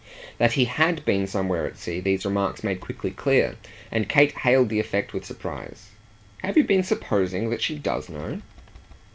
That he HAD been somewhere at sea these remarks made quickly clear, and Kate hailed the effect with surprise. "Have you been supposing that she does know